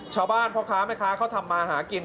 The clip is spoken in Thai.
ชาวบ้านเพราะค้าไม่ค้าเขาทำมาหากิน